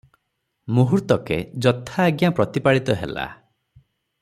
ମୁହୂର୍ତ୍ତକେ ଯଥା ଆଜ୍ଞା ପ୍ରତିପାଳିତ ହେଲା ।